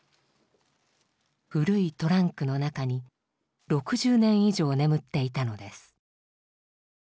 古いトランクの中に６０年以上眠っていたのです。